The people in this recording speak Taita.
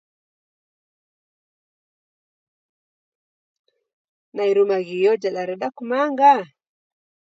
Na Irumaghio jadareda kumanga